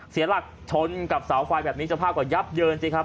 เสียหลักทนกับสาวฝ่ายสภาพกว่ายับเยินสิครับ